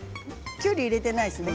きゅうりは入れてないですよ。